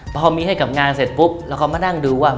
พอมีให้กับงานเสร็จปุ๊บเราก็มานั่งดูว่า